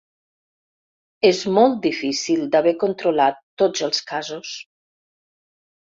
És molt difícil d’haver controlat tots els casos.